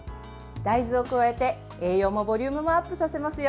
大豆を加えて栄養もボリュームもアップさせますよ。